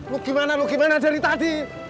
lo gimana lu gimana dari tadi